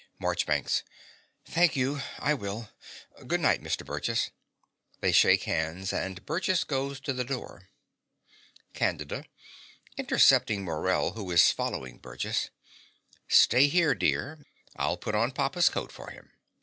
MARCHBANKS. Thank you: I will. Good night, Mr. Burgess. (They shake hands and Burgess goes to the door.) CANDIDA (intercepting Morell, who is following Burgess). Stay here, dear: I'll put on papa's coat for him.